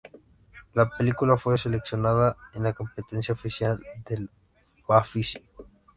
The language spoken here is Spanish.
La película fue seleccionada en la competencia oficial del Bafici.